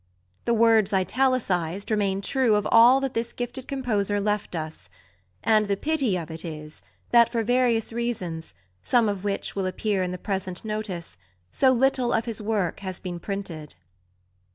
The words italicised remain true of all that this gifted composer left us; and the pity of it is that for various reasons, some of which will appear in the present notice, so little of his work has been printed.